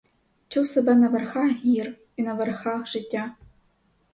Чув себе на верхах гір і на верхах життя.